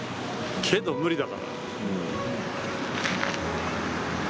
けど無理だから。